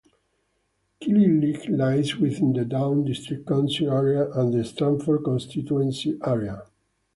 Killyleagh lies within the Down District Council area and the Strangford Constituency area.